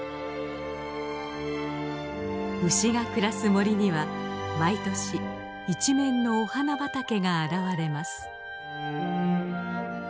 牛が暮らす森には毎年一面のお花畑が現れます。